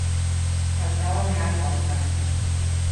Faltábame algo a min aquí.